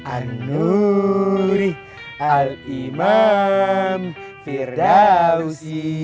anuri al imam firdausi